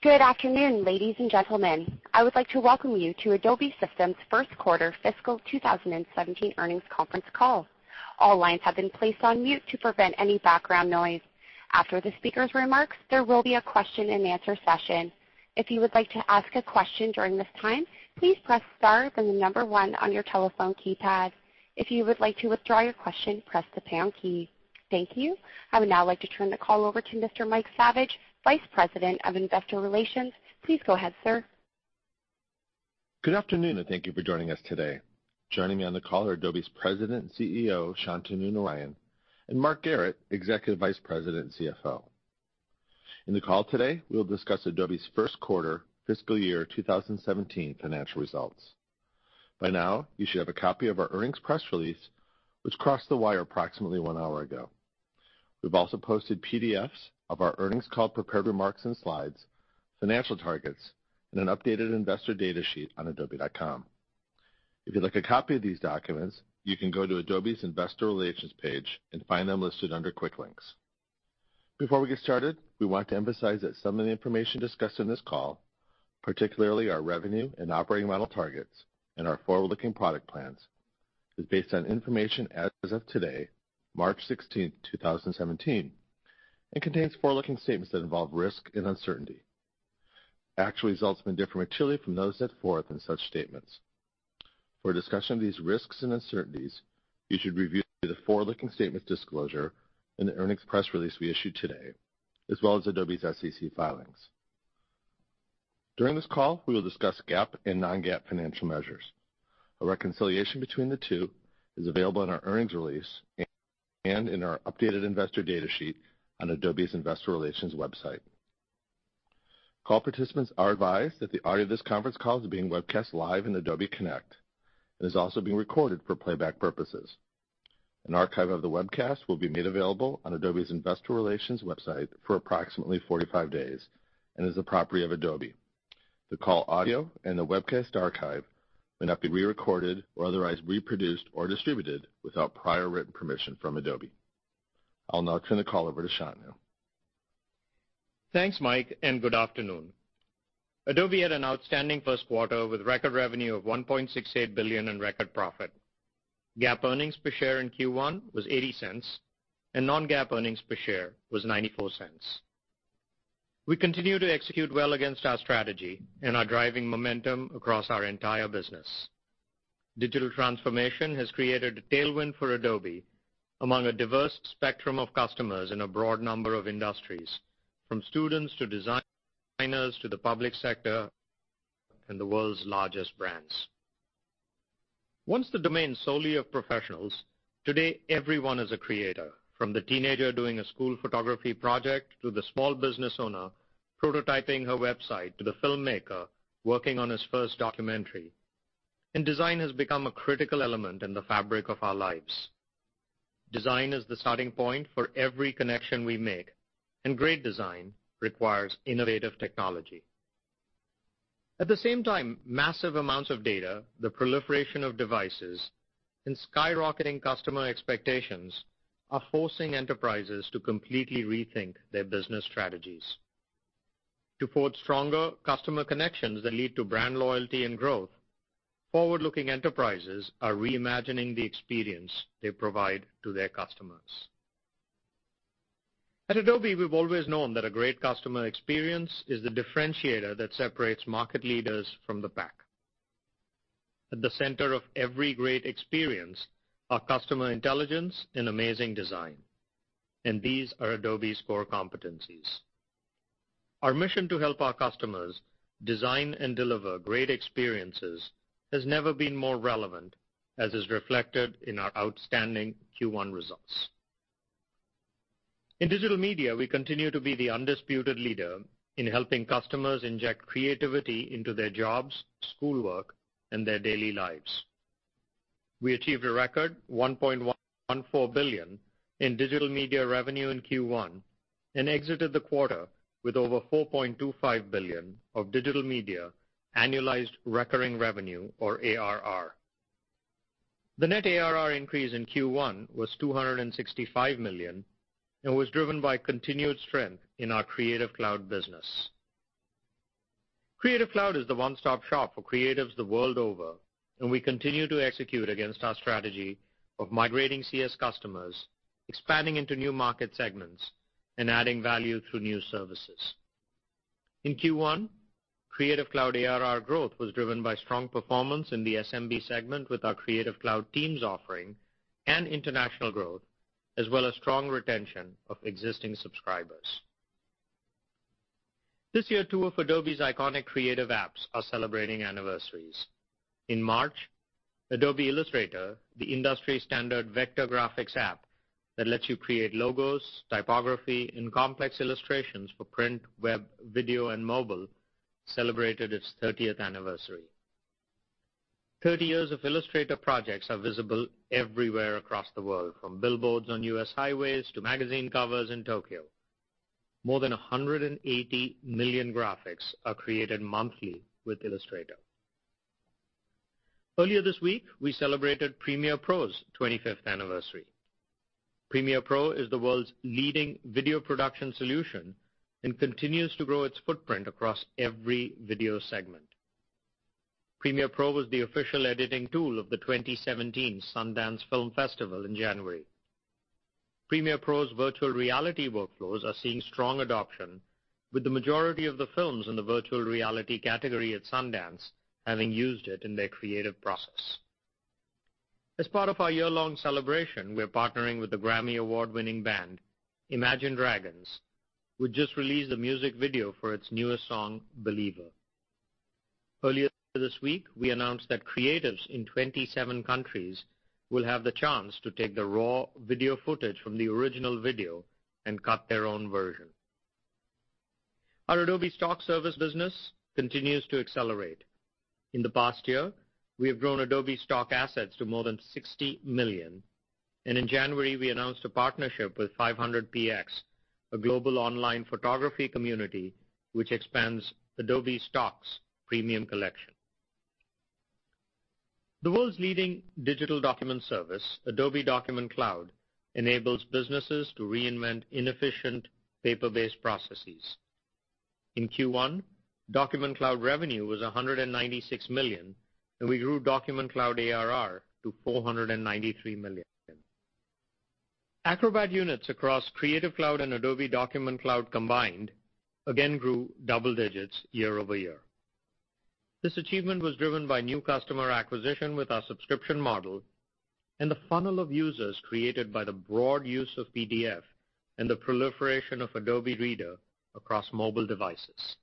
Good afternoon, ladies and gentlemen. I would like to welcome you to Adobe Systems first quarter fiscal 2017 earnings conference call. All lines have been placed on mute to prevent any background noise. After the speaker's remarks, there will be a question and answer session. If you would like to ask a question during this time, please press star, then the number 1 on your telephone keypad. If you would like to withdraw your question, press the pound key. Thank you. I would now like to turn the call over to Mr. Mike Saviage, Vice President of Investor Relations. Please go ahead, sir. Good afternoon, and thank you for joining us today. Joining me on the call are Adobe's President and CEO, Shantanu Narayen, and Mark Garrett, Executive Vice President and CFO. In the call today, we'll discuss Adobe's first quarter fiscal year 2017 financial results. By now, you should have a copy of our earnings press release, which crossed the wire approximately one hour ago. We've also posted PDFs of our earnings call, prepared remarks, and slides, financial targets, and an updated investor data sheet on adobe.com. If you'd like a copy of these documents, you can go to Adobe's investor relations page and find them listed under Quick Links. Before we get started, we want to emphasize that some of the information discussed on this call, particularly our revenue and operating model targets and our forward-looking product plans, is based on information as of today, March 16th, 2017, and contains forward-looking statements that involve risk and uncertainty. Actual results may differ materially from those set forth in such statements. For a discussion of these risks and uncertainties, you should review the forward-looking statements disclosure in the earnings press release we issued today, as well as Adobe's SEC filings. During this call, we will discuss GAAP and non-GAAP financial measures. A reconciliation between the two is available in our earnings release and in our updated investor data sheet on Adobe's investor relations website. Call participants are advised that the audio of this conference call is being webcast live in Adobe Connect and is also being recorded for playback purposes. An archive of the webcast will be made available on Adobe's investor relations website for approximately 45 days and is the property of Adobe. The call audio and the webcast archive may not be rerecorded or otherwise reproduced or distributed without prior written permission from Adobe. I'll now turn the call over to Shantanu. Thanks, Mike, and good afternoon. Adobe had an outstanding first quarter with record revenue of $1.68 billion in record profit. GAAP earnings per share in Q1 was $0.80, and non-GAAP earnings per share was $0.94. We continue to execute well against our strategy and are driving momentum across our entire business. Digital transformation has created a tailwind for Adobe among a diverse spectrum of customers in a broad number of industries, from students to designers, to the public sector, and the world's largest brands. Once the domain solely of professionals, today, everyone is a creator, from the teenager doing a school photography project, to the small business owner prototyping her website, to the filmmaker working on his first documentary. Design has become a critical element in the fabric of our lives. Design is the starting point for every connection we make, and great design requires innovative technology. At the same time, massive amounts of data, the proliferation of devices, and skyrocketing customer expectations are forcing enterprises to completely rethink their business strategies. To forge stronger customer connections that lead to brand loyalty and growth, forward-looking enterprises are reimagining the experience they provide to their customers. At Adobe, we've always known that a great customer experience is the differentiator that separates market leaders from the pack. At the center of every great experience are customer intelligence and amazing design, and these are Adobe's core competencies. Our mission to help our customers design and deliver great experiences has never been more relevant, as is reflected in our outstanding Q1 results. In Digital Media, we continue to be the undisputed leader in helping customers inject creativity into their jobs, schoolwork, and their daily lives. We achieved a record $1.14 billion in Digital Media revenue in Q1 and exited the quarter with over $4.25 billion of Digital Media annualized recurring revenue or ARR. The net ARR increase in Q1 was $265 million and was driven by continued strength in our Creative Cloud business. Creative Cloud is the one-stop shop for creatives the world over, and we continue to execute against our strategy of migrating Creative Suite customers, expanding into new market segments, and adding value through new services. In Q1, Creative Cloud ARR growth was driven by strong performance in the SMB segment with our Creative Cloud Teams offering and international growth, as well as strong retention of existing subscribers. This year, two of Adobe's iconic creative apps are celebrating anniversaries. In March, Adobe Illustrator, the industry-standard vector graphics app that lets you create logos, typography, and complex illustrations for print, web, video, and mobile, celebrated its 30th anniversary. 30 years of Illustrator projects are visible everywhere across the world, from billboards on U.S. highways to magazine covers in Tokyo. More than 180 million graphics are created monthly with Illustrator. Earlier this week, we celebrated Premiere Pro's 25th anniversary. Premiere Pro is the world's leading video production solution and continues to grow its footprint across every video segment. Premiere Pro was the official editing tool of the 2017 Sundance Film Festival in January. Premiere Pro's virtual reality workflows are seeing strong adoption with the majority of the films in the virtual reality category at Sundance having used it in their creative process. As part of our year-long celebration, we're partnering with the Grammy Award-winning band, Imagine Dragons, who just released a music video for its newest song, "Believer." Earlier this week, we announced that creatives in 27 countries will have the chance to take the raw video footage from the original video and cut their own version. Our Adobe Stock service business continues to accelerate. In the past year, we have grown Adobe Stock assets to more than $60 million, and in January, we announced a partnership with 500px, a global online photography community which expands Adobe Stock's premium collection. The world's leading digital document service, Adobe Document Cloud, enables businesses to reinvent inefficient paper-based processes. In Q1, Document Cloud revenue was $196 million, and we grew Document Cloud ARR to $493 million. Acrobat units across Creative Cloud and Adobe Document Cloud combined again grew double digits year-over-year. This achievement was driven by new customer acquisition with our subscription model and the funnel of users created by the broad use of PDF and the proliferation of Adobe Reader across mobile devices.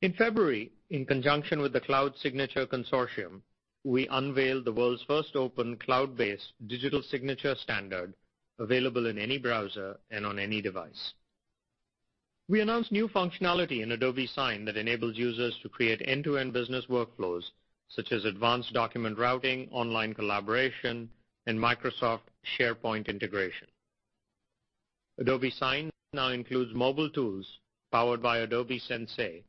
In February, in conjunction with the Cloud Signature Consortium, we unveiled the world's first open cloud-based digital signature standard available in any browser and on any device. We announced new functionality in Adobe Sign that enables users to create end-to-end business workflows such as advanced document routing, online collaboration, and Microsoft SharePoint integration. Adobe Sign now includes mobile tools powered by Adobe Sensei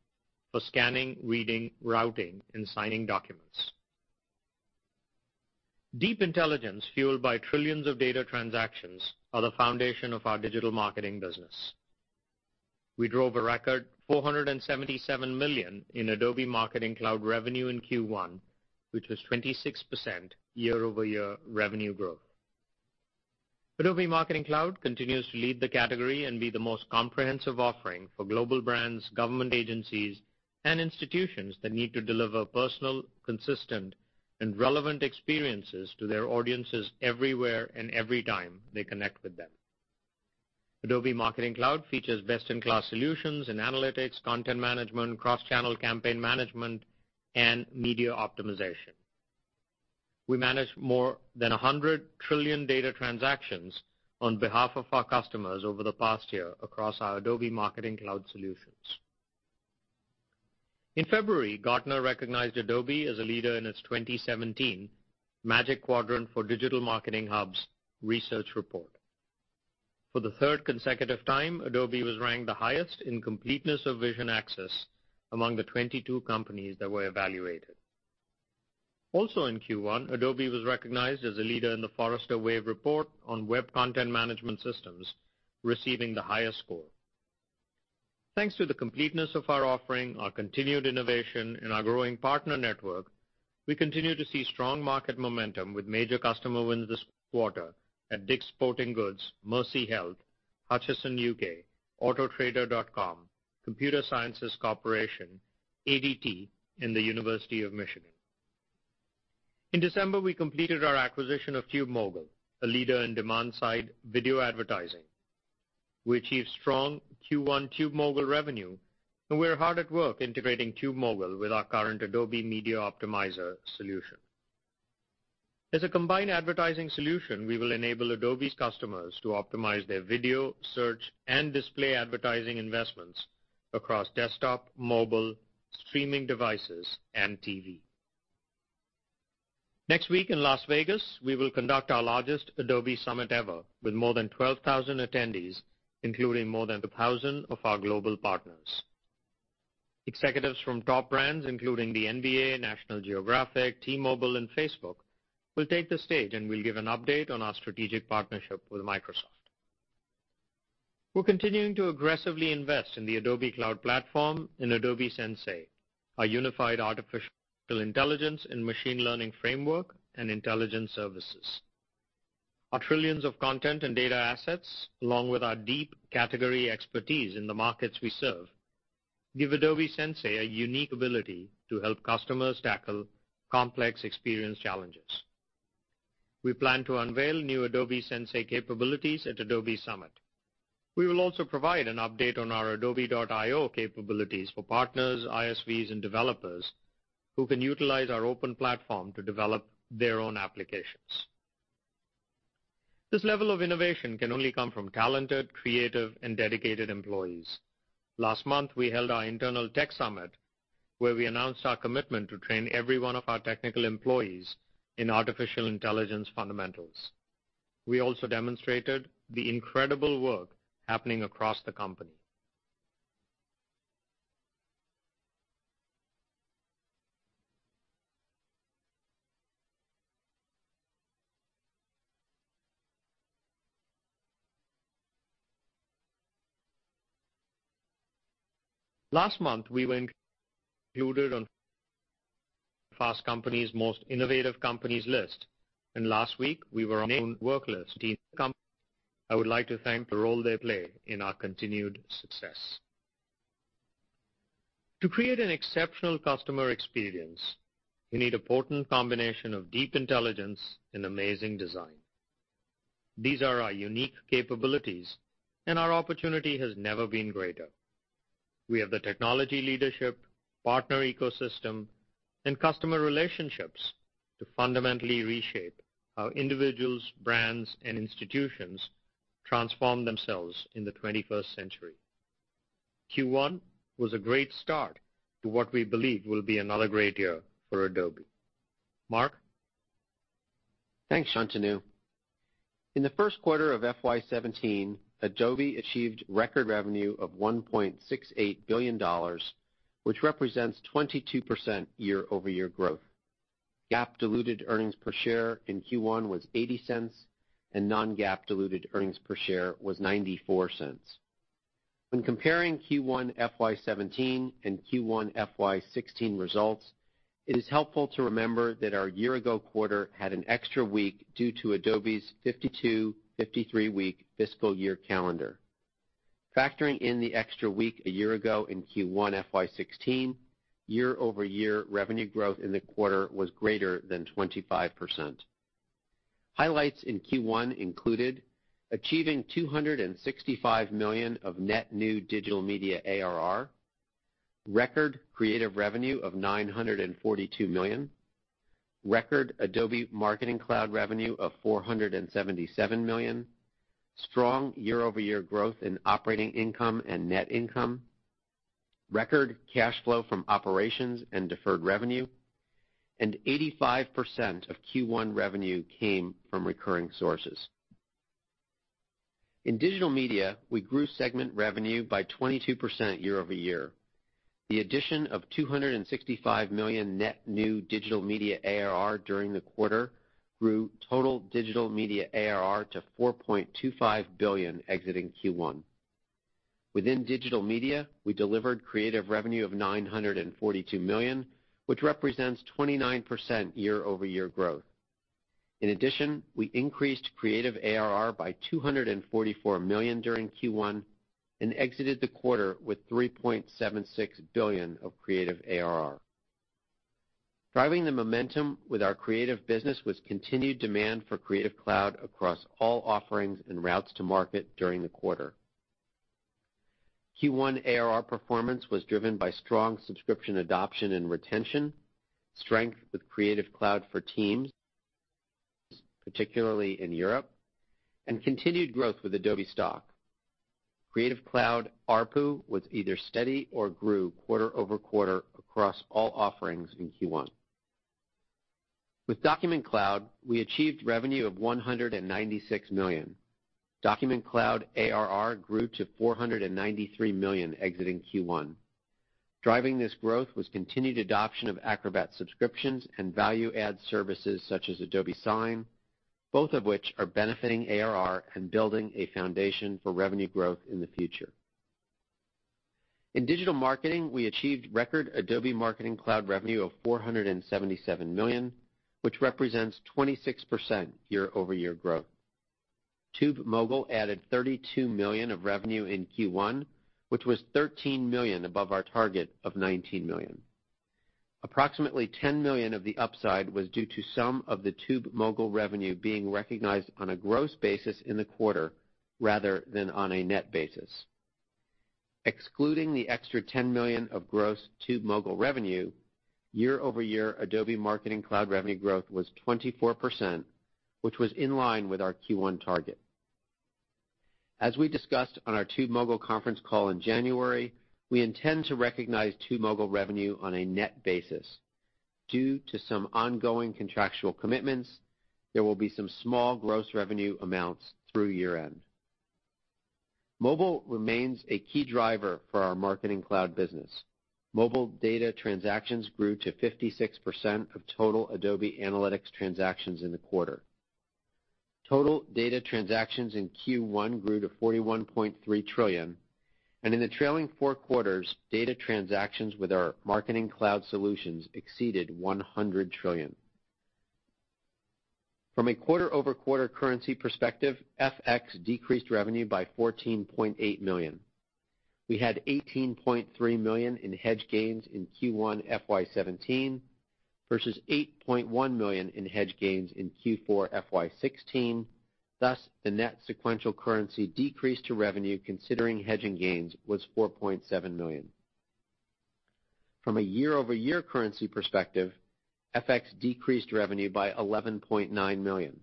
for scanning, reading, routing, and signing documents. Deep intelligence fueled by trillions of data transactions are the foundation of our digital marketing business. We drove a record $477 million in Adobe Marketing Cloud revenue in Q1, which was 26% year-over-year revenue growth. Adobe Marketing Cloud continues to lead the category and be the most comprehensive offering for global brands, government agencies, and institutions that need to deliver personal, consistent, and relevant experiences to their audiences everywhere and every time they connect with them. Adobe Marketing Cloud features best-in-class solutions in analytics, content management, cross-channel campaign management, and media optimization. We managed more than 100 trillion data transactions on behalf of our customers over the past year across our Adobe Marketing Cloud solutions. In February, Gartner recognized Adobe as a leader in its 2017 Magic Quadrant for Digital Marketing Hubs research report. For the third consecutive time, Adobe was ranked the highest in completeness of vision access among the 22 companies that were evaluated. In Q1, Adobe was recognized as a leader in the Forrester Wave report on web content management systems, receiving the highest score. Thanks to the completeness of our offering, our continued innovation, and our growing partner network, we continue to see strong market momentum with major customer wins this quarter at DICK'S Sporting Goods, Mercy Health, Hutchison UK, Autotrader.com, Computer Sciences Corporation, ADT, and the University of Michigan. In December, we completed our acquisition of TubeMogul, a leader in demand-side video advertising. We achieved strong Q1 TubeMogul revenue, and we're hard at work integrating TubeMogul with our current Adobe Media Optimizer solution. As a combined advertising solution, we will enable Adobe's customers to optimize their video, search, and display advertising investments across desktop, mobile, streaming devices, and TV. Next week in Las Vegas, we will conduct our largest Adobe Summit ever with more than 12,000 attendees, including more than 1,000 of our global partners. Executives from top brands, including the NBA, National Geographic, T-Mobile, and Facebook, will take the stage. We'll give an update on our strategic partnership with Microsoft. We're continuing to aggressively invest in the Adobe Cloud Platform and Adobe Sensei, our unified artificial intelligence and machine learning framework and intelligence services. Our trillions of content and data assets, along with our deep category expertise in the markets we serve, give Adobe Sensei a unique ability to help customers tackle complex experience challenges. We plan to unveil new Adobe Sensei capabilities at Adobe Summit. We will also provide an update on our adobe.io capabilities for partners, ISVs, and developers who can utilize our open platform to develop their own applications. This level of innovation can only come from talented, creative, and dedicated employees. Last month, we held our internal Tech Summit, where we announced our commitment to train every one of our technical employees in artificial intelligence fundamentals. We also demonstrated the incredible work happening across the company. Last month, we were included on Fast Company's Most Innovative Companies list. Last week, we were named Best Companies to Work For. I would like to thank the role they play in our continued success. To create an exceptional customer experience, you need a potent combination of deep intelligence and amazing design. These are our unique capabilities. Our opportunity has never been greater. We have the technology leadership, partner ecosystem, and customer relationships to fundamentally reshape how individuals, brands, and institutions transform themselves in the 21st century. Q1 was a great start to what we believe will be another great year for Adobe. Mark? Thanks, Shantanu. In the first quarter of FY 2017, Adobe achieved record revenue of $1.68 billion, which represents 22% year-over-year growth. GAAP diluted earnings per share in Q1 was $0.80. Non-GAAP diluted earnings per share was $0.94. When comparing Q1 FY 2017 and Q1 FY 2016 results, it is helpful to remember that our year-ago quarter had an extra week due to Adobe's 52-53-week fiscal year calendar. Factoring in the extra week a year ago in Q1 FY 2016, year-over-year revenue growth in the quarter was greater than 25%. Highlights in Q1 included achieving $265 million of net new Digital Media ARR, record Creative revenue of $942 million, record Adobe Marketing Cloud revenue of $477 million, strong year-over-year growth in operating income and net income, record cash flow from operations and deferred revenue. 85% of Q1 revenue came from recurring sources. In Digital Media, we grew segment revenue by 22% year-over-year. The addition of $265 million net new Digital Media ARR during the quarter grew total Digital Media ARR to $4.25 billion exiting Q1. Within Digital Media, we delivered Creative revenue of $942 million, which represents 29% year-over-year growth. In addition, we increased Creative ARR by $244 million during Q1 and exited the quarter with $3.76 billion of Creative ARR. Driving the momentum with our Creative business was continued demand for Creative Cloud across all offerings and routes to market during the quarter. Q1 ARR performance was driven by strong subscription adoption and retention, strength with Creative Cloud for Teams, particularly in Europe, and continued growth with Adobe Stock. Creative Cloud ARPU was either steady or grew quarter-over-quarter across all offerings in Q1. With Document Cloud, we achieved revenue of $196 million. Document Cloud ARR grew to $493 million exiting Q1. Driving this growth was continued adoption of Acrobat subscriptions and value-add services such as Adobe Sign, both of which are benefiting ARR and building a foundation for revenue growth in the future. In digital marketing, we achieved record Adobe Marketing Cloud revenue of $477 million, which represents 26% year-over-year growth. TubeMogul added $32 million of revenue in Q1, which was $13 million above our target of $19 million. Approximately $10 million of the upside was due to some of the TubeMogul revenue being recognized on a gross basis in the quarter rather than on a net basis. Excluding the extra $10 million of gross TubeMogul revenue, year-over-year Adobe Marketing Cloud revenue growth was 24%, which was in line with our Q1 target. As we discussed on our TubeMogul conference call in January, we intend to recognize TubeMogul revenue on a net basis. Due to some ongoing contractual commitments, there will be some small gross revenue amounts through year-end. Mobile remains a key driver for our Marketing Cloud business. Mobile data transactions grew to 56% of total Adobe Analytics transactions in the quarter. Total data transactions in Q1 grew to $41.3 trillion, and in the trailing four quarters, data transactions with our Marketing Cloud solutions exceeded $100 trillion. From a quarter-over-quarter currency perspective, FX decreased revenue by $14.8 million. We had $18.3 million in hedge gains in Q1 FY 2017 versus $8.1 million in hedge gains in Q4 FY 2016. Thus, the net sequential currency decrease to revenue considering hedging gains was $4.7 million. From a year-over-year currency perspective, FX decreased revenue by $11.9 million.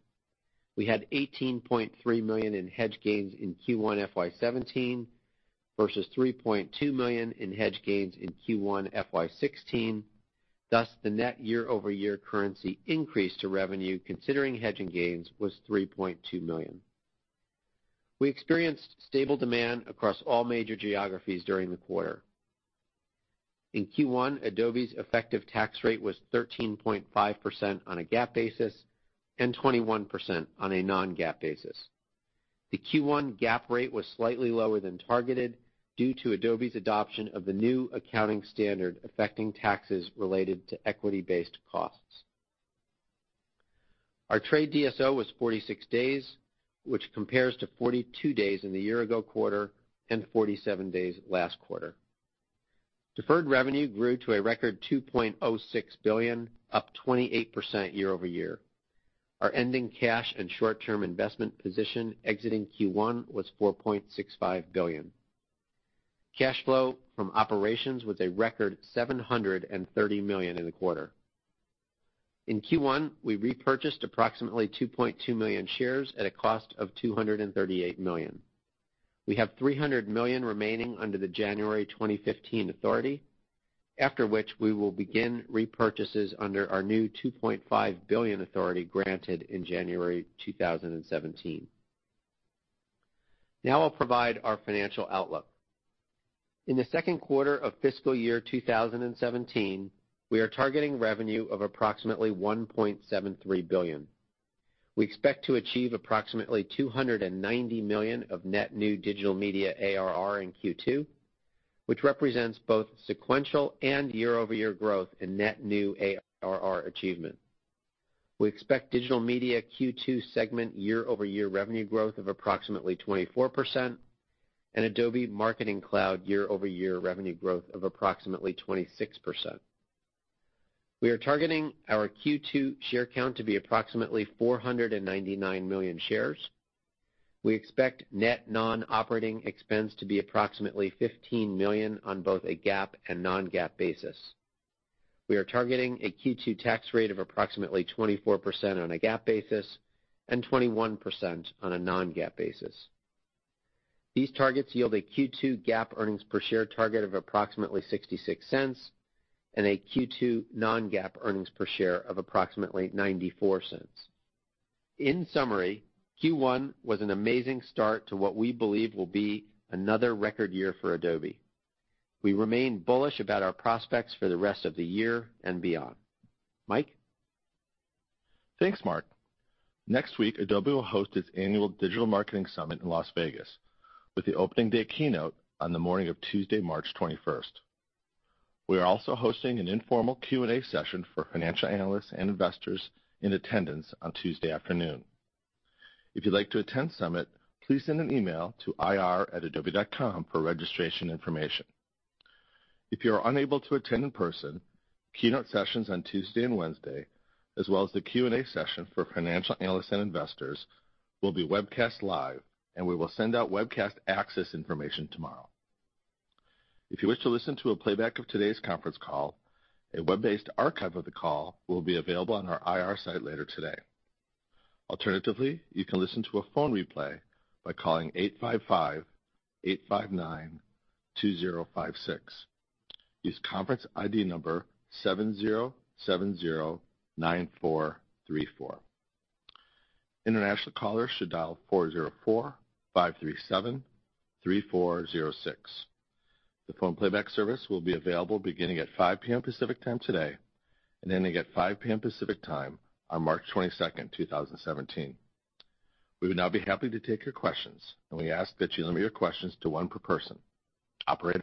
We had $18.3 million in hedge gains in Q1 FY 2017 versus $3.2 million in hedge gains in Q1 FY 2016. Thus, the net year-over-year currency increase to revenue, considering hedging gains, was $3.2 million. We experienced stable demand across all major geographies during the quarter. In Q1, Adobe's effective tax rate was 13.5% on a GAAP basis and 21% on a non-GAAP basis. The Q1 GAAP rate was slightly lower than targeted due to Adobe's adoption of the new accounting standard affecting taxes related to equity-based costs. Our trade DSO was 46 days, which compares to 42 days in the year-ago quarter and 47 days last quarter. Deferred revenue grew to a record $2.06 billion, up 28% year-over-year. Our ending cash and short-term investment position exiting Q1 was $4.65 billion. Cash flow from operations was a record $730 million in the quarter. In Q1, we repurchased approximately 2.2 million shares at a cost of $238 million. We have $300 million remaining under the January 2015 authority, after which we will begin repurchases under our new $2.5 billion authority granted in January 2017. I'll provide our financial outlook. In the second quarter of fiscal year 2017, we are targeting revenue of approximately $1.73 billion. We expect to achieve approximately $290 million of net new Digital Media ARR in Q2, which represents both sequential and year-over-year growth in net new ARR achievement. We expect Digital Media Q2 segment year-over-year revenue growth of approximately 24% and Adobe Marketing Cloud year-over-year revenue growth of approximately 26%. We are targeting our Q2 share count to be approximately 499 million shares. We expect net non-operating expense to be approximately $15 million on both a GAAP and non-GAAP basis. We are targeting a Q2 tax rate of approximately 24% on a GAAP basis and 21% on a non-GAAP basis. These targets yield a Q2 GAAP earnings per share target of approximately $0.66 and a Q2 non-GAAP earnings per share of approximately $0.94. In summary, Q1 was an amazing start to what we believe will be another record year for Adobe. We remain bullish about our prospects for the rest of the year and beyond. Mike? Thanks, Mark. Next week, Adobe will host its annual Adobe Summit in Las Vegas, with the opening day keynote on the morning of Tuesday, March 21st. We are also hosting an informal Q&A session for financial analysts and investors in attendance on Tuesday afternoon. If you'd like to attend Summit, please send an email to ir@adobe.com for registration information. If you are unable to attend in person, keynote sessions on Tuesday and Wednesday, as well as the Q&A session for financial analysts and investors, will be webcast live, and we will send out webcast access information tomorrow. If you wish to listen to a playback of today's conference call, a web-based archive of the call will be available on our IR site later today. Alternatively, you can listen to a phone replay by calling 855-859-2056. Use conference ID number 70709434. International callers should dial 404-537-3406. The phone playback service will be available beginning at 5:00 P.M. Pacific Time today, and ending at 5:00 P.M. Pacific Time on March 22nd, 2017. We would now be happy to take your questions, and we ask that you limit your questions to one per person. Operator?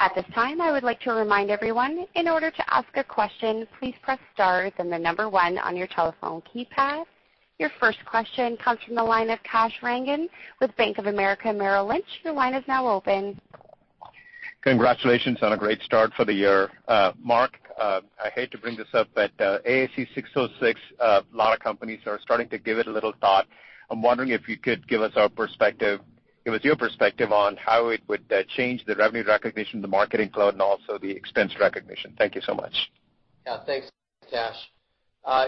At this time, I would like to remind everyone, in order to ask a question, please press star, then the number one on your telephone keypad. Your first question comes from the line of Kash Rangan with Bank of America Merrill Lynch. Your line is now open. Congratulations on a great start for the year. Mark, I hate to bring this up, ASC 606, a lot of companies are starting to give it a little thought. I'm wondering if you could give us your perspective on how it would change the revenue recognition, the Marketing Cloud, and also the expense recognition. Thank you so much. Thanks, Kash.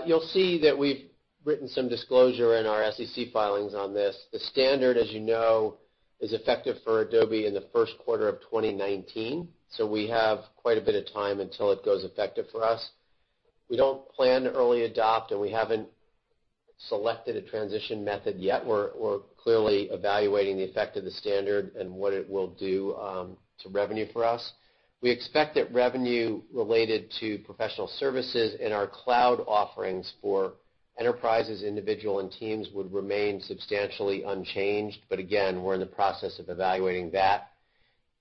You'll see that we've written some disclosure in our SEC filings on this. The standard, as you know, is effective for Adobe in the first quarter of 2019, we have quite a bit of time until it goes effective for us. We don't plan to early adopt, and we haven't selected a transition method yet. We're clearly evaluating the effect of the standard and what it will do to revenue for us. We expect that revenue related to professional services in our cloud offerings for enterprises, individual, and teams would remain substantially unchanged. Again, we're in the process of evaluating that.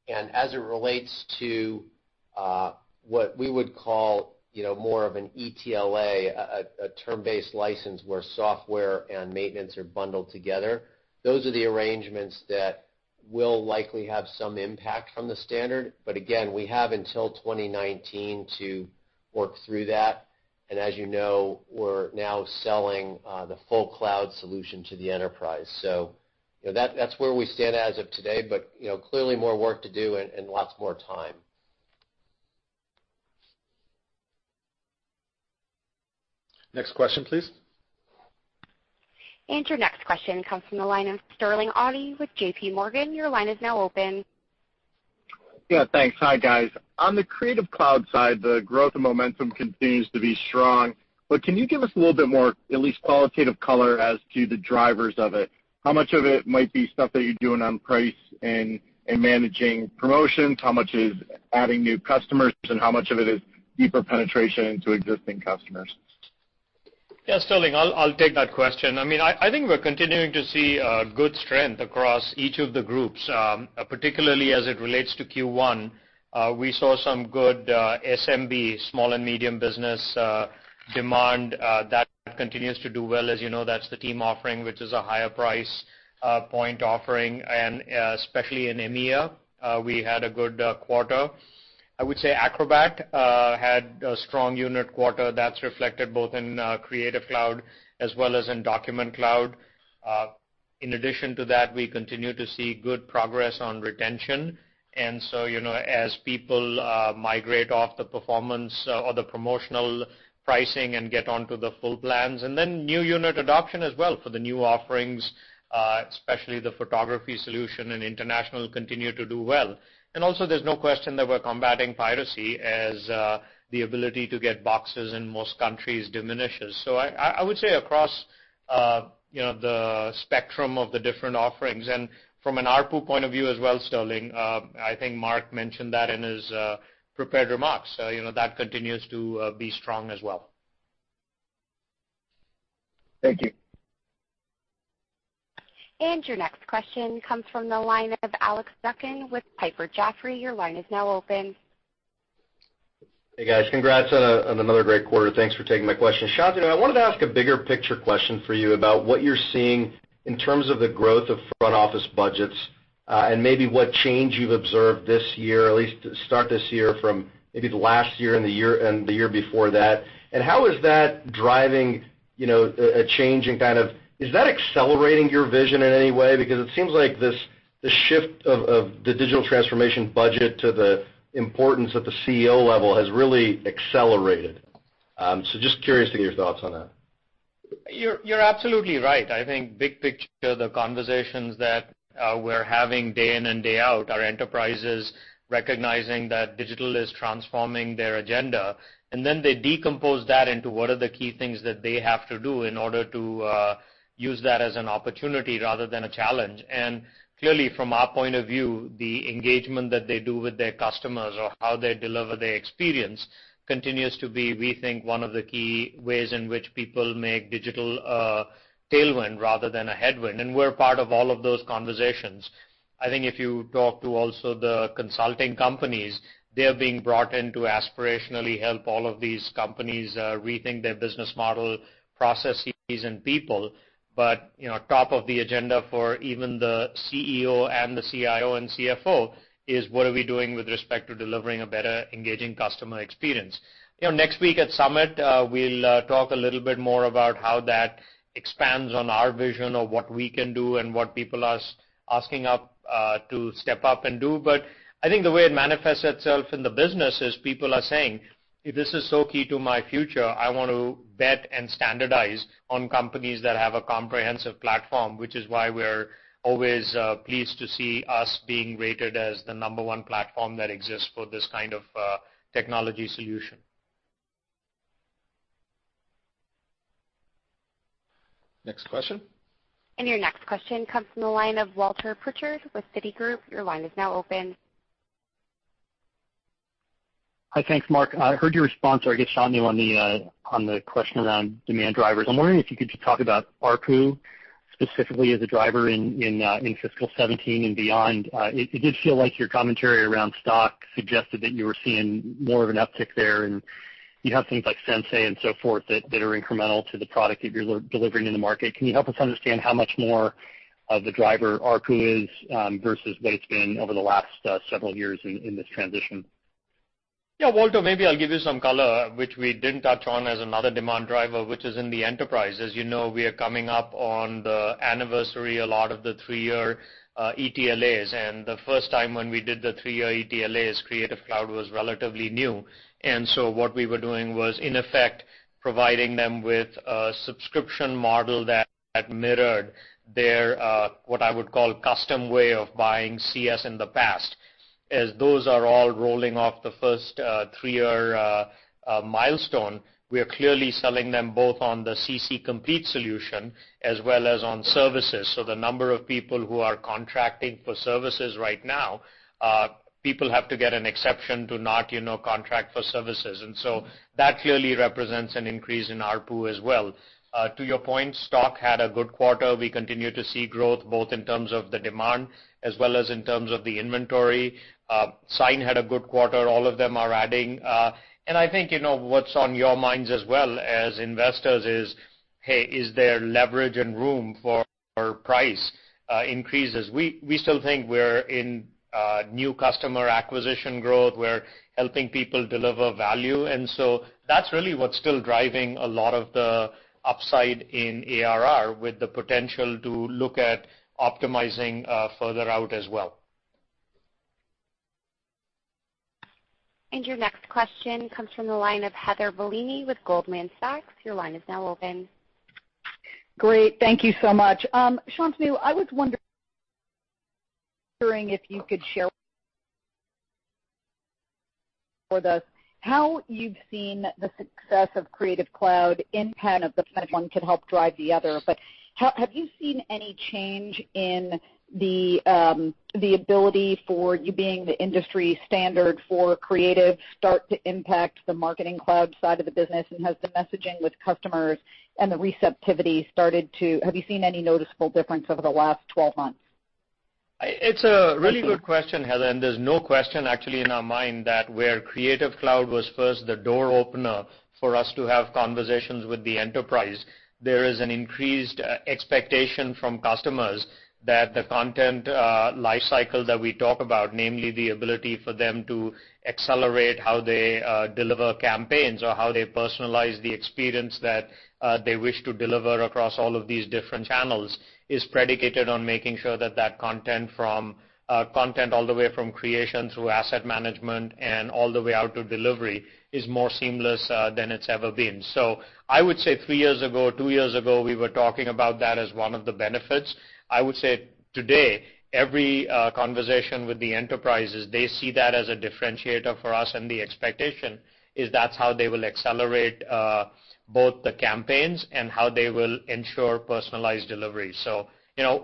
As it relates to what we would call more of an ETLA, a term-based license where software and maintenance are bundled together, those are the arrangements that will likely have some impact from the standard. Again, we have until 2019 to work through that. As you know, we're now selling the full cloud solution to the enterprise. That's where we stand as of today, but clearly more work to do and lots more time. Next question, please. Your next question comes from the line of Sterling Auty with JPMorgan. Your line is now open. Yeah, thanks. Hi, guys. On the Creative Cloud side, the growth and momentum continues to be strong, but can you give us a little bit more, at least qualitative color as to the drivers of it? How much of it might be stuff that you're doing on price and in managing promotions? How much is adding new customers, and how much of it is deeper penetration into existing customers? Yes, Sterling, I'll take that question. I think we're continuing to see good strength across each of the groups, particularly as it relates to Q1. We saw some good SMB, small and medium business, demand that continues to do well. As you know that's the team offering, which is a higher price point offering, and especially in EMEA, we had a good quarter. I would say Acrobat had a strong unit quarter that's reflected both in Creative Cloud as well as in Document Cloud. In addition to that, we continue to see good progress on retention. As people migrate off the performance or the promotional pricing and get onto the full plans, and then new unit adoption as well for the new offerings, especially the photography solution and international continue to do well. There's no question that we're combating piracy as the ability to get boxes in most countries diminishes. I would say across the spectrum of the different offerings and from an ARPU point of view as well, Sterling, I think Mark mentioned that in his prepared remarks. That continues to be strong as well. Thank you. Your next question comes from the line of Alex Zukin with Piper Jaffray. Your line is now open. Hey, guys. Congrats on another great quarter. Thanks for taking my question. Shantanu, I wanted to ask a bigger picture question for you about what you're seeing in terms of the growth of front office budgets, and maybe what change you've observed this year, at least to start this year from maybe the last year and the year before that. How is that driving a change? Is that accelerating your vision in any way? Because it seems like this shift of the digital transformation budget to the importance at the CEO level has really accelerated. Just curious to get your thoughts on that. You're absolutely right. I think big picture, the conversations that we're having day in and day out are enterprises recognizing that digital is transforming their agenda, and then they decompose that into what are the key things that they have to do in order to use that as an opportunity rather than a challenge. Clearly, from our point of view, the engagement that they do with their customers or how they deliver their experience continues to be, we think, one of the key ways in which people make digital a tailwind rather than a headwind, and we're part of all of those conversations. I think if you talk to also the consulting companies, they're being brought in to aspirationally help all of these companies rethink their business model, processes, and people. Top of the agenda for even the CEO and the CIO and CFO is what are we doing with respect to delivering a better engaging customer experience. Next week at Summit, we'll talk a little bit more about how that expands on our vision of what we can do and what people are asking us to step up and do. I think the way it manifests itself in the business is people are saying, "If this is so key to my future, I want to bet and standardize on companies that have a comprehensive platform," which is why we're always pleased to see us being rated as the number one platform that exists for this kind of technology solution. Next question. Your next question comes from the line of Walter Pritchard with Citigroup. Your line is now open. Hi. Thanks, Mark. I heard your response, I guess, Shantanu, on the question around demand drivers. I'm wondering if you could just talk about ARPU specifically as a driver in fiscal 2017 and beyond. It did feel like your commentary around Stock suggested that you were seeing more of an uptick there, and you have things like Sensei and so forth that are incremental to the product that you're delivering in the market. Can you help us understand how much more of the driver ARPU is versus what it's been over the last several years in this transition? Walter, maybe I'll give you some color, which we didn't touch on as another demand driver, which is in the enterprise. As you know, we are coming up on the anniversary, a lot of the 3-year ETLAs, and the first time when we did the 3-year ETLAs Creative Cloud was relatively new. What we were doing was, in effect, providing them with a subscription model that mirrored their, what I would call, custom way of buying CS in the past. As those are all rolling off the first 3-year milestone, we are clearly selling them both on the Creative Cloud All Apps solution as well as on services. The number of people who are contracting for services right now, people have to get an exception to not contract for services. That clearly represents an increase in ARPU as well. To your point, Adobe Stock had a good quarter. We continue to see growth both in terms of the demand as well as in terms of the inventory. Adobe Sign had a good quarter. All of them are adding. I think what's on your minds as well as investors is, hey, is there leverage and room for price increases? We still think we're in new customer acquisition growth. We're helping people deliver value. That's really what's still driving a lot of the upside in ARR with the potential to look at optimizing further out as well. Your next question comes from the line of Heather Bellini with Goldman Sachs. Your line is now open. Great. Thank you so much. Shantanu, I was wondering if you could share for us how you've seen the success of Creative Cloud in pen, if one could help drive the other. Have you seen any change in the ability for you being the industry standard for creative start to impact the Adobe Marketing Cloud side of the business? Has the messaging with customers and the receptivity? Have you seen any noticeable difference over the last 12 months? It's a really good question, Heather, there's no question actually in our mind that where Creative Cloud was first the door opener for us to have conversations with the enterprise, there is an increased expectation from customers that the content lifecycle that we talk about, namely the ability for them to accelerate how they deliver campaigns or how they personalize the experience that they wish to deliver across all of these different channels, is predicated on making sure that content all the way from creation through asset management and all the way out to delivery is more seamless than it's ever been. I would say three years ago, two years ago, we were talking about that as one of the benefits. I would say today, every conversation with the enterprises, they see that as a differentiator for us, the expectation is that's how they will accelerate both the campaigns and how they will ensure personalized delivery.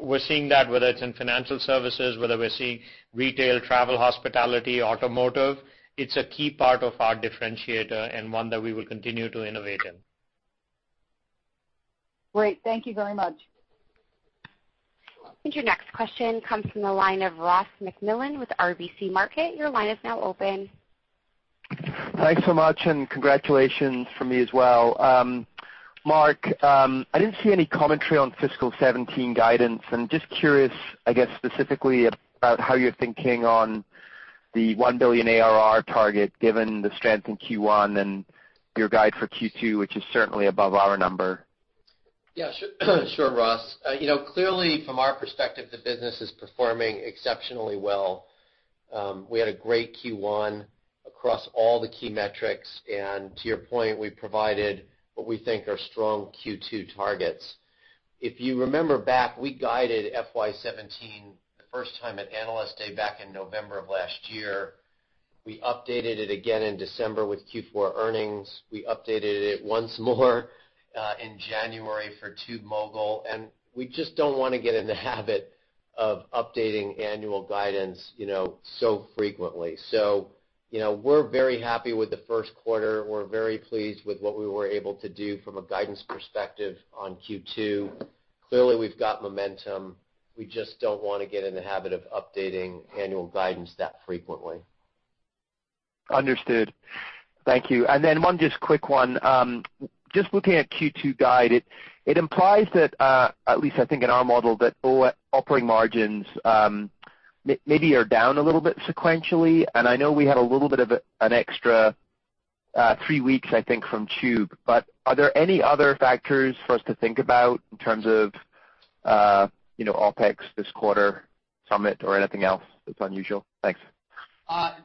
We're seeing that whether it's in financial services, whether we're seeing retail, travel, hospitality, automotive. It's a key part of our differentiator and one that we will continue to innovate in. Great. Thank you very much. Your next question comes from the line of Ross MacMillan with RBC Market. Your line is now open. Thanks so much, and congratulations from me as well. Mark, I didn't see any commentary on fiscal 2017 guidance. I'm just curious, I guess, specifically about how you're thinking on the $1 billion ARR target given the strength in Q1 and your guide for Q2, which is certainly above our number. Yeah, sure, Ross. From our perspective, the business is performing exceptionally well. We had a great Q1 across all the key metrics. To your point, we provided what we think are strong Q2 targets. If you remember back, we guided FY 2017 the first time at Analyst Day back in November of last year. We updated it again in December with Q4 earnings. We updated it once more in January for TubeMogul. We just don't want to get in the habit of updating annual guidance so frequently. We're very happy with the first quarter. We're very pleased with what we were able to do from a guidance perspective on Q2. We've got momentum. We just don't want to get in the habit of updating annual guidance that frequently. Understood. Thank you. One just quick one. Just looking at Q2 guide, it implies that, at least I think in our model, that operating margins maybe are down a little bit sequentially. I know we had a little bit of an extra three weeks, I think, from Tube. Are there any other factors for us to think about in terms of OpEx this quarter, Summit or anything else that's unusual? Thanks. Our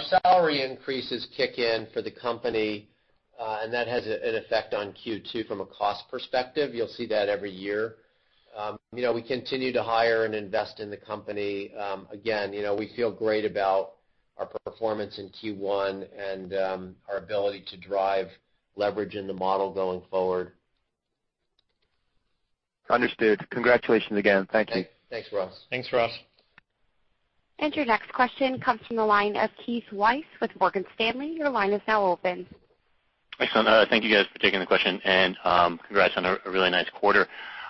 salary increases kick in for the company. That has an effect on Q2 from a cost perspective. You'll see that every year. We continue to hire and invest in the company. We feel great about our performance in Q1 and our ability to drive leverage in the model going forward. Understood. Congratulations again. Thank you. Thanks, Ross. Thanks, Ross. Your next question comes from the line of Keith Weiss with Morgan Stanley. Your line is now open. Excellent. Thank you guys for taking the question, and congrats on a really nice quarter.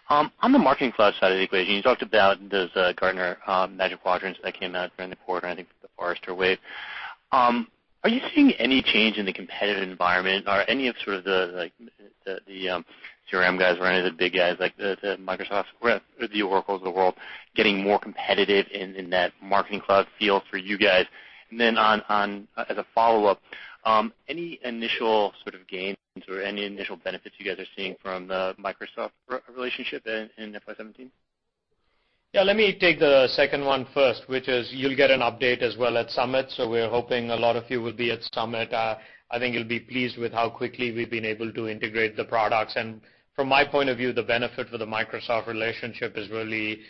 On the Marketing Cloud side of the equation, you talked about those Gartner Magic Quadrants that came out during the quarter, I think the Forrester Wave. Are you seeing any change in the competitive environment or any of sort of like the CRM guys or any of the big guys like the Microsoft or the Oracle of the world getting more competitive in that Marketing Cloud field for you guys? As a follow-up, any initial sort of gains or any initial benefits you guys are seeing from the Microsoft relationship in FY 2017? Yeah, let me take the second one first, which is you'll get an update as well at Summit. We're hoping a lot of you will be at Summit. I think you'll be pleased with how quickly we've been able to integrate the products. From my point of view, the benefit for the Microsoft relationship is really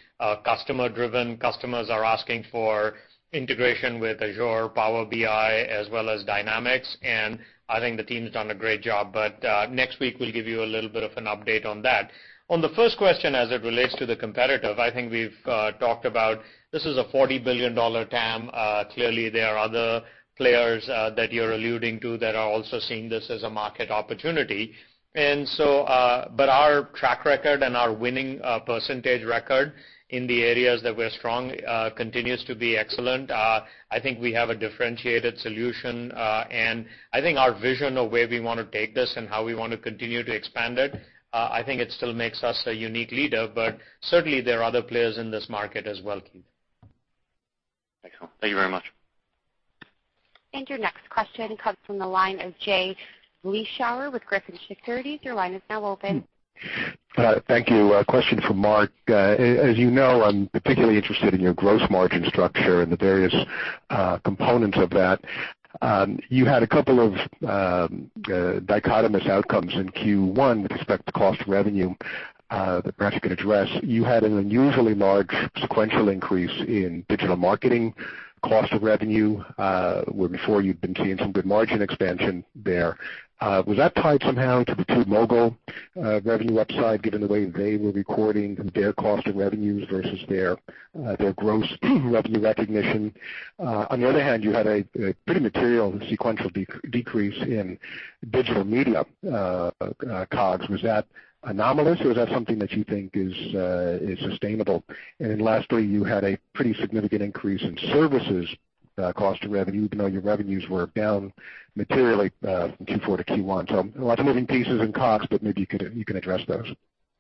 customer-driven. Customers are asking for integration with Azure, Power BI, as well as Dynamics, and I think the team's done a great job. Next week, we'll give you a little bit of an update on that. On the first question as it relates to the competitive, I think we've talked about this is a $40 billion TAM. Clearly, there are other players that you're alluding to that are also seeing this as a market opportunity. Our track record and our winning percentage record in the areas that we're strong continues to be excellent. I think we have a differentiated solution, and I think our vision of where we want to take this and how we want to continue to expand it, I think it still makes us a unique leader. Certainly, there are other players in this market as well, Keith. Excellent. Thank you very much. Your next question comes from the line of Jay Vleeschhouwer with Griffin Securities. Your line is now open. Thank you. A question for Mark. As you know, I'm particularly interested in your gross margin structure and the various components of that. You had a couple of dichotomous outcomes in Q1 with respect to cost of revenue, perhaps you can address. You had an unusually large sequential increase in digital marketing cost of revenue, where before you'd been seeing some good margin expansion there. Was that tied somehow to the TubeMogul revenue upside, given the way they were recording their cost of revenues versus their gross revenue recognition? On the other hand, you had a pretty material sequential decrease in Digital Media COGS. Was that anomalous or was that something that you think is sustainable? Lastly, you had a pretty significant increase in services cost of revenue, even though your revenues were down materially from Q4 to Q1. A lot of moving pieces in COGS, but maybe you can address those.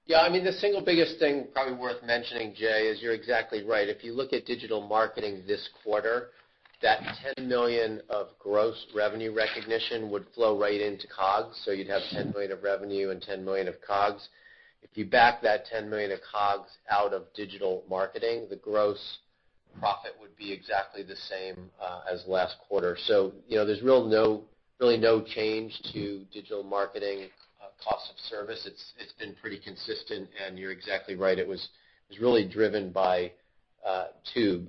The single biggest thing probably worth mentioning, Jay, is you're exactly right. If you look at digital marketing this quarter, that $10 million of gross revenue recognition would flow right into COGS. You'd have $10 million of revenue and $10 million of COGS. If you back that $10 million of COGS out of digital marketing, the gross profit would be exactly the same as last quarter. There's really no change to digital marketing cost of service. It's been pretty consistent, and you're exactly right. It was really driven by Tube.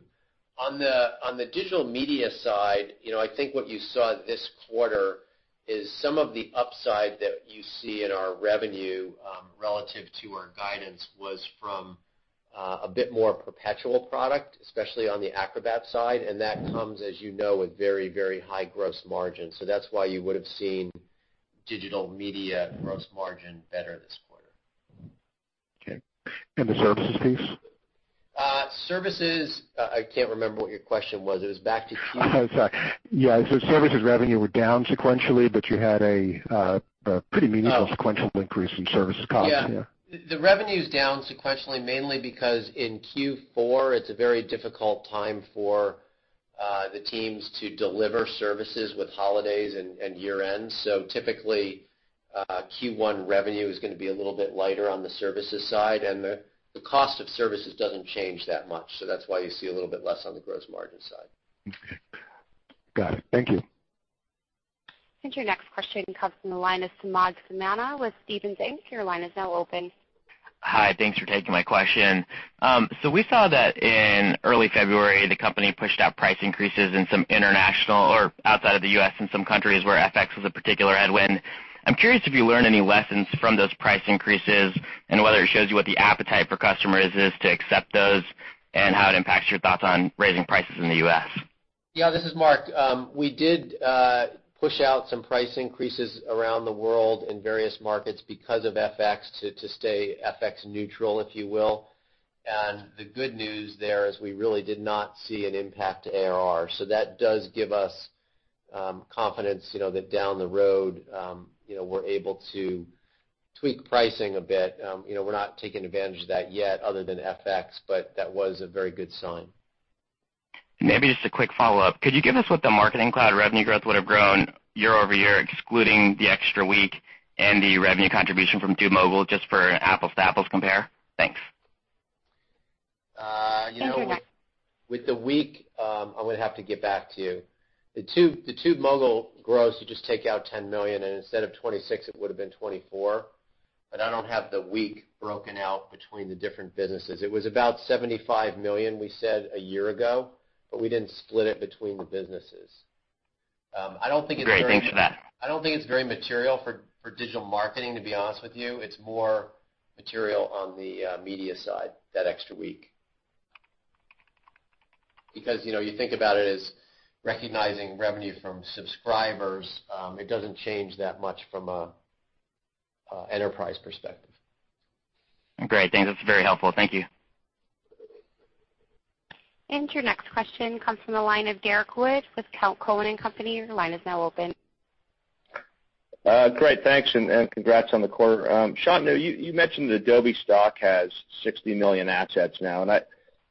On the Digital Media side, I think what you saw this quarter is some of the upside that you see in our revenue, relative to our guidance was from a bit more perpetual product, especially on the Acrobat side. That comes, as you know, with very, very high gross margin. That's why you would've seen Digital Media gross margin better this quarter. Okay. The services piece? Services, I can't remember what your question was. It was back to TubeMogul. I'm sorry. Yeah. Services revenue were down sequentially, but you had a pretty meaningful. Oh sequential increase in services COGS. Yeah. Yeah. The revenue's down sequentially mainly because in Q4 it's a very difficult time for the teams to deliver services with holidays and year-end. Typically, Q1 revenue is going to be a little bit lighter on the services side, and the cost of services doesn't change that much. That's why you see a little bit less on the gross margin side. Okay. Got it. Thank you. I think your next question comes from the line of Samad Samana with Stephens Inc. Your line is now open. Hi. Thanks for taking my question. We saw that in early February, the company pushed out price increases in some international or outside of the U.S. in some countries where FX was a particular headwind. I am curious if you learned any lessons from those price increases and whether it shows you what the appetite for customers is to accept those, and how it impacts your thoughts on raising prices in the U.S.? Yeah, this is Mark. We did push out some price increases around the world in various markets because of FX to stay FX neutral, if you will. The good news there is we really did not see an impact to ARR. That does give us confidence, that down the road, we're able to tweak pricing a bit. We're not taking advantage of that yet other than FX, but that was a very good sign. Maybe just a quick follow-up. Could you give us what the Marketing Cloud revenue growth would've grown year-over-year, excluding the extra week and the revenue contribution from TubeMogul, just for an apples-to-apples compare? Thanks. You know. Thanks for your question With the week, I'm going to have to get back to you. The TubeMogul gross, you just take out $10 million. Instead of $26, it would've been $24. I don't have the week broken out between the different businesses. It was about $75 million we said a year ago. We didn't split it between the businesses. I don't think it's very- Great. Thanks for that. I don't think it's very material for digital marketing, to be honest with you. It's more material on the Digital Media side, that extra week. You think about it as recognizing revenue from subscribers, it doesn't change that much from a enterprise perspective. Great, thanks. That's very helpful. Thank you. Your next question comes from the line of Derrick Wood with Cowen and Company. Your line is now open. Great, thanks, congrats on the quarter. Shantanu, you mentioned Adobe Stock has 60 million assets now,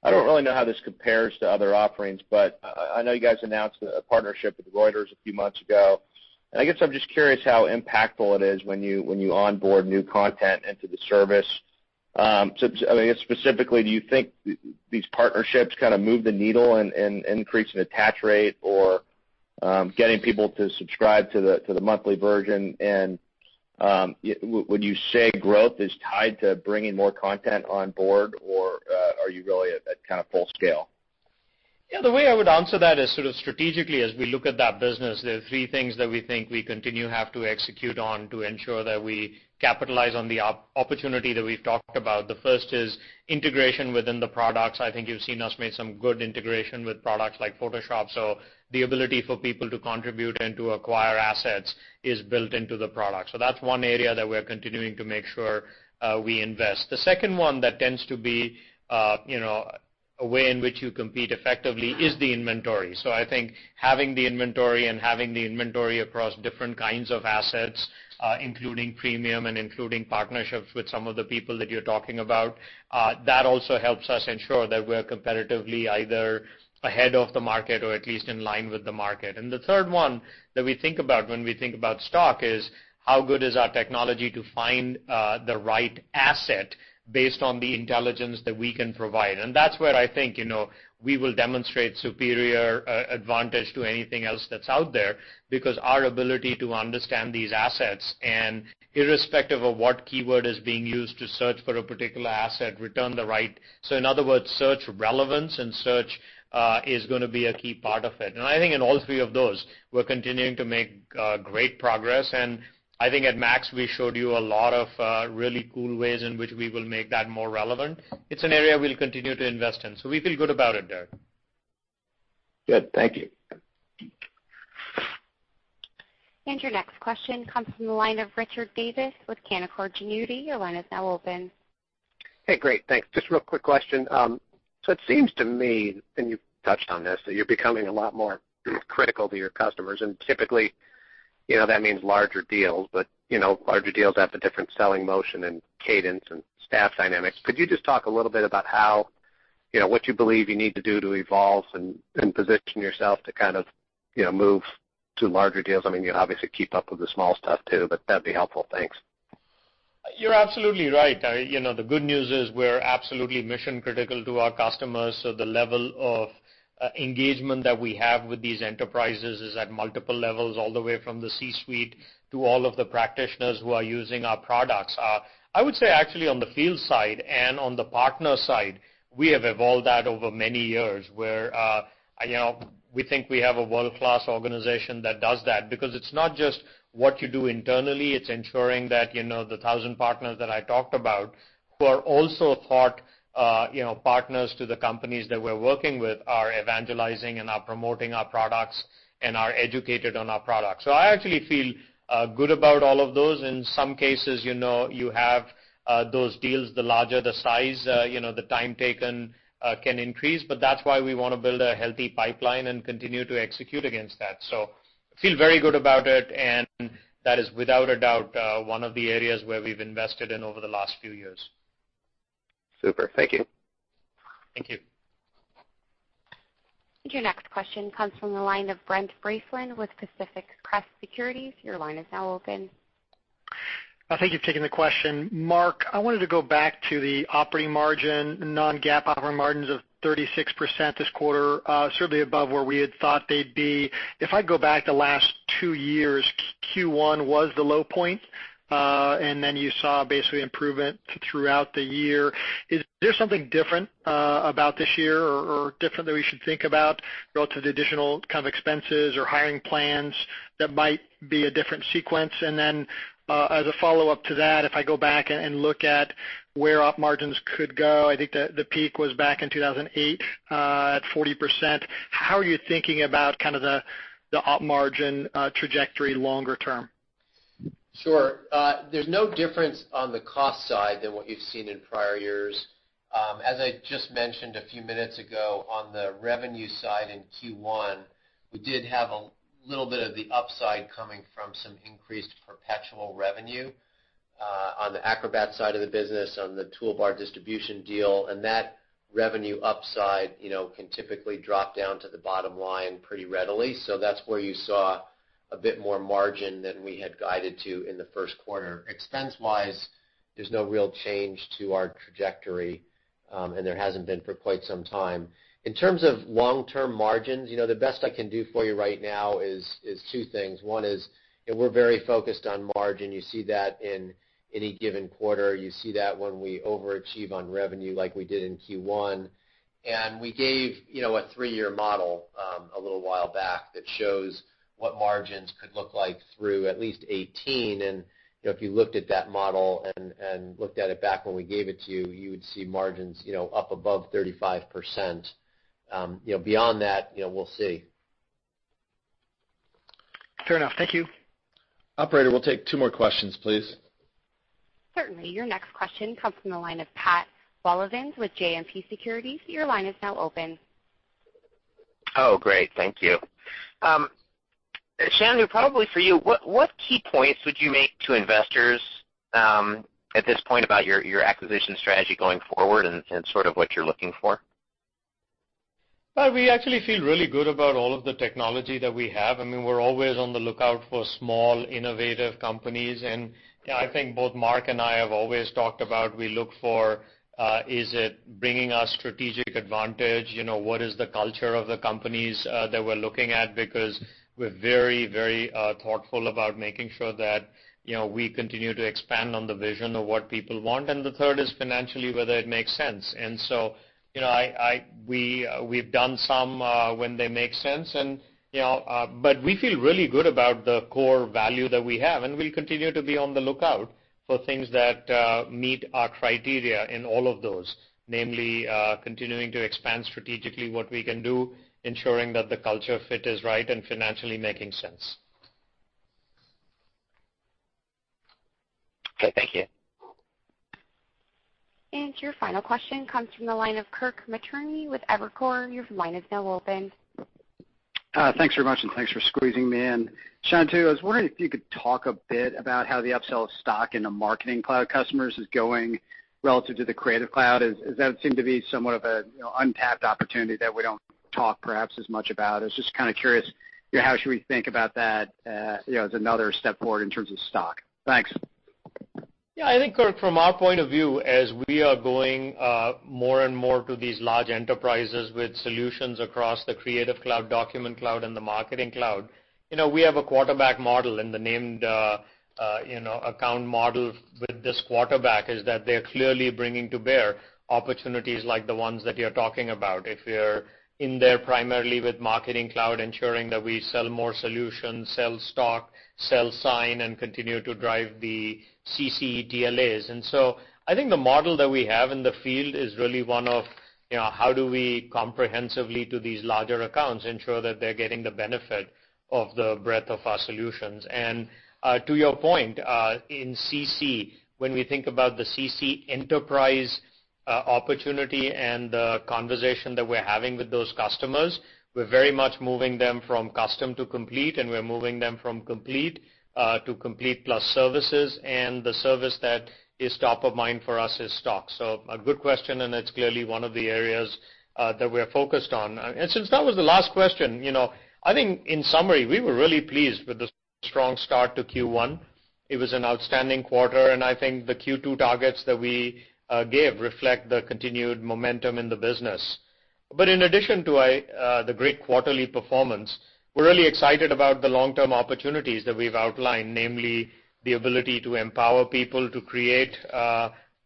I don't really know how this compares to other offerings, but I know you guys announced a partnership with Reuters a few months ago, I guess I'm just curious how impactful it is when you onboard new content into the service. I guess specifically, do you think these partnerships kind of move the needle in increasing attach rate or getting people to subscribe to the monthly version? Would you say growth is tied to bringing more content on board, or are you really at kind of full scale? Yeah, the way I would answer that is sort of strategically, as we look at that business, there are three things that we think we continue have to execute on to ensure that we capitalize on the opportunity that we've talked about. The first is integration within the products. I think you've seen us make some good integration with products like Photoshop, so the ability for people to contribute and to acquire assets is built into the product. That's one area that we're continuing to make sure we invest. The second one that tends to be a way in which you compete effectively is the inventory. I think having the inventory and having the inventory across different kinds of assets, including premium and including partnerships with some of the people that you're talking about, that also helps us ensure that we're competitively either ahead of the market or at least in line with the market. The third one that we think about when we think about stock is how good is our technology to find the right asset based on the intelligence that we can provide. That's where I think we will demonstrate superior advantage to anything else that's out there because our ability to understand these assets and irrespective of what keyword is being used to search for a particular asset, return the right. In other words, search relevance and search is going to be a key part of it. I think in all three of those, we're continuing to make great progress. I think at Max, we showed you a lot of really cool ways in which we will make that more relevant. It's an area we'll continue to invest in. We feel good about it, Derrick. Good. Thank you. Your next question comes from the line of Richard Davis with Canaccord Genuity. Your line is now open. Great. Thanks. Just real quick question. It seems to me, and you've touched on this, that you're becoming a lot more critical to your customers, typically, that means larger deals, larger deals have a different selling motion and cadence and staff dynamics. Could you just talk a little bit about what you believe you need to do to evolve and position yourself to move to larger deals? You obviously keep up with the small stuff, too, that'd be helpful. Thanks. You're absolutely right. The good news is we're absolutely mission-critical to our customers, the level of engagement that we have with these enterprises is at multiple levels, all the way from the C-suite to all of the practitioners who are using our products. I would say, actually, on the field side and on the partner side, we have evolved that over many years where we think we have a world-class organization that does that because it's not just what you do internally, it's ensuring that the 1,000 partners that I talked about who are also thought partners to the companies that we're working with are evangelizing and are promoting our products and are educated on our products. I actually feel good about all of those. In some cases, you have those deals, the larger the size the time taken can increase, that's why we want to build a healthy pipeline and continue to execute against that. Feel very good about it, that is without a doubt one of the areas where we've invested in over the last few years. Super. Thank you. Thank you. Your next question comes from the line of Brent Thill with Pacific Crest Securities. Your line is now open. Thank you for taking the question. Mark, I wanted to go back to the operating margin, non-GAAP operating margins of 36% this quarter, certainly above where we had thought they'd be. If I go back the last two years, Q1 was the low point, then you saw basically improvement throughout the year. Is there something different about this year or different that we should think about relative to additional expenses or hiring plans that might be a different sequence? Then as a follow-up to that, if I go back and look at where op margins could go, I think the peak was back in 2008 at 40%. How are you thinking about the op margin trajectory longer term? Sure. There's no difference on the cost side than what you've seen in prior years. As I just mentioned a few minutes ago, on the revenue side in Q1, we did have a little bit of the upside coming from some increased perpetual revenue on the Acrobat side of the business, on the toolbar distribution deal, that revenue upside can typically drop down to the bottom line pretty readily. That's where you saw a bit more margin than we had guided to in the first quarter. Expense-wise, there's no real change to our trajectory, there hasn't been for quite some time. In terms of long-term margins, the best I can do for you right now is two things. One is we're very focused on margin. You see that in any given quarter. You see that when we overachieve on revenue like we did in Q1. We gave a 3-year model a little while back that shows what margins could look like through at least 2018. If you looked at that model and looked at it back when we gave it to you would see margins up above 35%. Beyond that, we'll see. Fair enough. Thank you. Operator, we'll take two more questions, please. Certainly. Your next question comes from the line of Pat Walravens with JMP Securities. Your line is now open. Oh, great. Thank you. Shantanu, probably for you, what key points would you make to investors at this point about your acquisition strategy going forward and sort of what you're looking for? We actually feel really good about all of the technology that we have. We're always on the lookout for small, innovative companies. I think both Mark and I have always talked about we look for is it bringing us strategic advantage, what is the culture of the companies that we're looking at, because we're very thoughtful about making sure that we continue to expand on the vision of what people want. The third is financially whether it makes sense. We've done some when they make sense, but we feel really good about the core value that we have, and we'll continue to be on the lookout for things that meet our criteria in all of those, namely continuing to expand strategically what we can do, ensuring that the culture fit is right and financially making sense. Okay, thank you. Your final question comes from the line of Kirk Materne with Evercore. Your line is now open. Thanks very much, and thanks for squeezing me in. Shantanu, I was wondering if you could talk a bit about how the upsell of Stock in the Marketing Cloud customers is going relative to the Creative Cloud. Is that seemed to be somewhat of an untapped opportunity that we don't talk perhaps as much about. I was just kind of curious, how should we think about that, as another step forward in terms of Stock? Thanks. I think, Kirk, from our point of view, as we are going more and more to these large enterprises with solutions across the Creative Cloud, Document Cloud, and the Marketing Cloud, we have a quarterback model in the named account model with this quarterback, is that they're clearly bringing to bear opportunities like the ones that you're talking about. If we're in there primarily with Marketing Cloud, ensuring that we sell more solutions, sell Stock, sell Sign, and continue to drive the CC TLAs. I think the model that we have in the field is really one of how do we comprehensively to these larger accounts ensure that they're getting the benefit of the breadth of our solutions. To your point, in CC, when we think about the CC enterprise opportunity and the conversation that we're having with those customers, we're very much moving them from custom to complete, and we're moving them from complete to complete plus services, and the service that is top of mind for us is Stock. A good question, and it's clearly one of the areas that we're focused on. Since that was the last question, I think in summary, we were really pleased with the strong start to Q1. It was an outstanding quarter, and I think the Q2 targets that we gave reflect the continued momentum in the business. In addition to the great quarterly performance, we're really excited about the long-term opportunities that we've outlined, namely the ability to empower people to create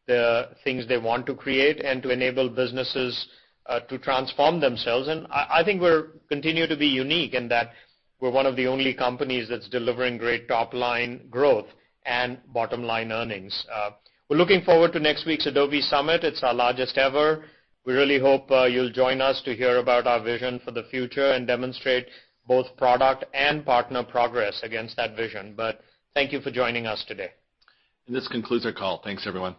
the things they want to create and to enable businesses to transform themselves. I think we're continuing to be unique in that we're one of the only companies that's delivering great top-line growth and bottom-line earnings. We're looking forward to next week's Adobe Summit. It's our largest ever. We really hope you'll join us to hear about our vision for the future and demonstrate both product and partner progress against that vision. Thank you for joining us today. This concludes our call. Thanks, everyone.